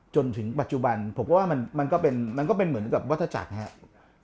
จนถึงปัจจุบันผมก็ว่ามันก็เป็นเหมือนกับวัฒนาจักรนะครับ